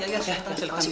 ya ya terima kasih